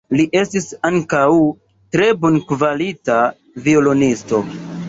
Li estis ankaŭ tre bonkvalita violonisto.